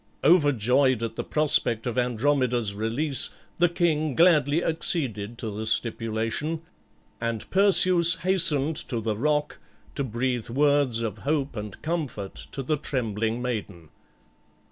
Overjoyed at the prospect of Andromeda's release, the king gladly acceded to the stipulation, and Perseus hastened to the rock, to breathe words of hope and comfort to the trembling maiden.